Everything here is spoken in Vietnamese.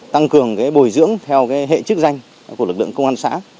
tăng cường bồi dưỡng theo hệ chức danh của lực lượng công an xã